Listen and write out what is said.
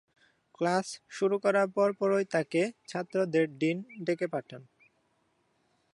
Class শুরু করার পরপরই, তাকে ছাত্রদের ডিন ডেকে পাঠান।